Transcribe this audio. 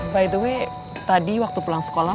by the way tadi waktu pulang sekolah